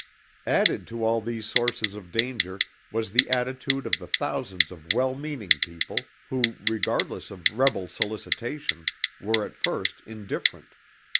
Added to all these sources of danger was the attitude of the thousands of well meaning people who, regardless of rebel solicitation, were at first indifferent.